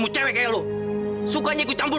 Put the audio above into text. maksudnya kekuatan amal